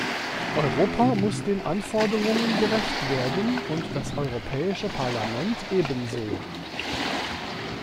Europa muss den Anforderungen gerecht werden und das Europäische Parlament ebenso.-